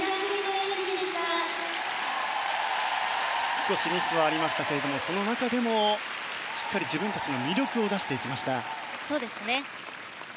少しミスはありましたけどその中でもしっかり自分たちの魅力を出していきました。